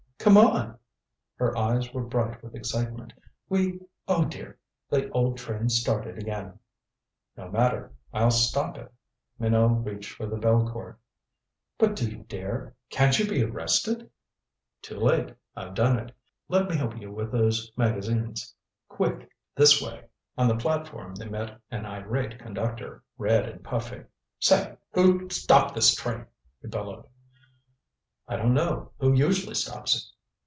"Come on!" Her eyes were bright with excitement. "We oh, dear the old train's started again." "No matter I'll stop it!" Minot reached for the bell cord. "But do you dare can't you be arrested?" "Too late I've done it. Let me help you with those magazines. Quick! This way." On the platform they met an irate conductor, red and puffing. "Say who stopped this train?" he bellowed. "I don't know who usually stops it?"